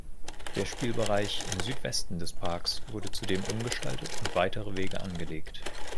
Der Spielbereich im Südwesten des Parks wurde zudem umgestaltet und weitere Wege angelegt.